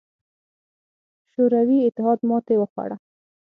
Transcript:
شوروي اتحاد ماتې وخوړه.